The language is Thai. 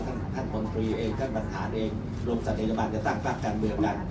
ท่านบอลตรีเองท่านบันทานเองลงสัตยบันจะตั้งฝากการเมืองกัน